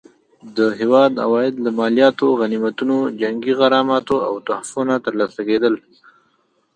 د هیواد عواید له مالیاتو، غنیمتونو، جنګي غراماتو او تحفو نه ترلاسه کېدل.